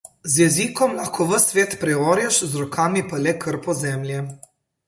Z jezikom lahko ves svet preorješ, z rokami pa le krpo zemlje.